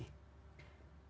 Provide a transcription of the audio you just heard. bicara lagi ya kan